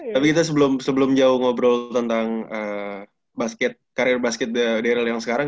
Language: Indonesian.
tapi kita sebelum jauh ngobrol tentang karir basket dayl yang sekarang